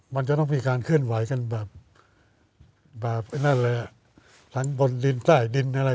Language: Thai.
มันจะต้องมีการเคลื่อนไหวกันแบบหลังบนดินใต้ดินอะไร